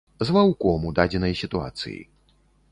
З ваўком у дадзенай сітуацыі.